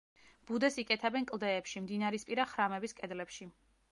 ბუდეს იკეთებენ კლდეებში, მდინარისპირა ხრამების კედლებში.